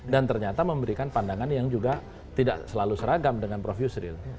dan ternyata memberikan pandangan yang juga tidak selalu seragam dengan prof yusril